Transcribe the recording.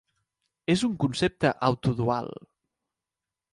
És un concepte autodual.